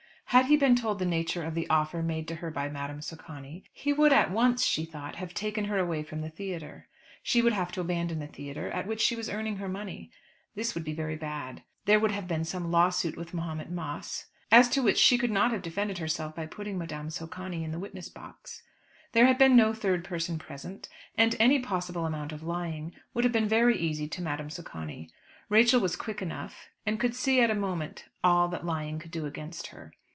Had he been told the nature of the offer made to her by Madame Socani, he would at once, she thought, have taken her away from the theatre. She would have to abandon the theatre, at which she was earning her money. This would have been very bad. There would have been some lawsuit with Mahomet Moss, as to which she could not have defended herself by putting Madame Socani into the witness box. There had been no third person present, and any possible amount of lying would have been very easy to Madame Socani. Rachel was quick enough, and could see at a moment all that lying could do against her.